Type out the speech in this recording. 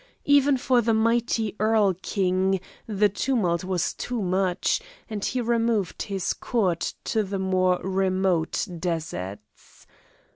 Even for the mighty Erl king the tumult was too much, and he removed his court to the more remote deserts.